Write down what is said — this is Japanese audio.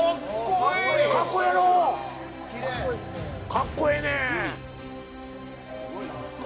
かっこええのう。